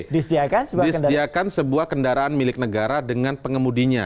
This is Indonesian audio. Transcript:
disediakan sebuah kendaraan milik negara dengan pengemudinya